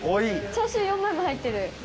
チャーシュー４枚も入ってる！